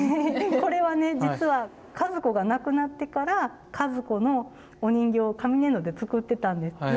これはね実は和子が亡くなってから和子のお人形を紙粘土で作ってたんです。